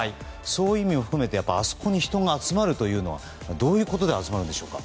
そういう意味も含めてあそこに人が集まるのはどういうことで集まるんでしょうか。